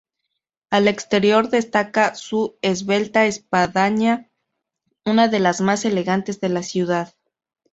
Al exterior destaca su esbelta espadaña, una de las más elegantes de la ciudad.